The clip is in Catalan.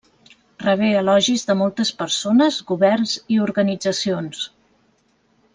Rebé elogis de moltes persones, governs i organitzacions.